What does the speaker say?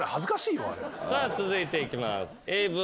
さあ続いていきます。